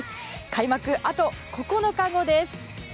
開幕、あと９日後です。